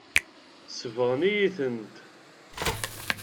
Sebɣen-iyi-tent.